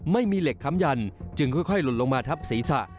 ไม่มีเหล็กค้ำยันจึงค่อยหล่นลงมาทับศีรษะ